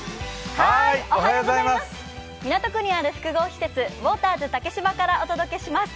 港区にある複合施設・ウォーターズ竹芝からお届けします。